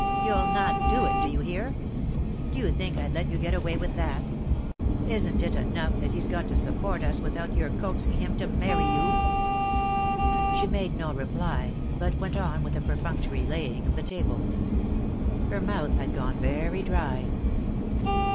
You'll not do it, do you hear? D'you think I'd let you get away with that? Isn't it enough that he's got to support us, without your coaxing him to marry you?" She made no reply, but went on with a perfunctory laying of the table. Her mouth had gone very dry.